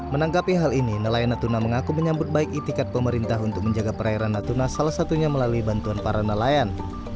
menanggapi hal ini nelayan natuna mengaku menyambut baik itikat pemerintah untuk menjaga perairan natuna salah satunya melalui bantuan para nelayan